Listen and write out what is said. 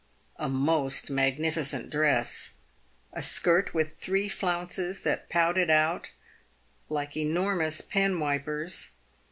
A most magnificent dress. A skirt with three flounces that pouted out like enormous pen wipers.